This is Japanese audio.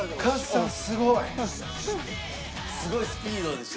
すごいスピードでしたよ。